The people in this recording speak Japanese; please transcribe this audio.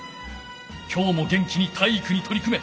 きょうも元気に体育にとり組め！